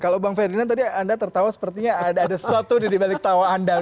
kalau bang ferdinand tadi anda tertawa sepertinya ada sesuatu di balik tawa anda